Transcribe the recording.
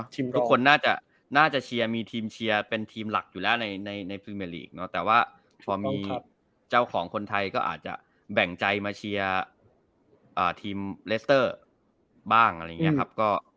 ทุกคนน่าจะเชียร์มีทีมเชียร์เป็นทีมหลักอยู่แล้วในพรีเมอร์ลีกเนอะแต่ว่าพอมีเจ้าของคนไทยก็อาจจะแบ่งใจมาเชียร์ทีมเลสเตอร์บ้างอะไรอย่างนี้ครับ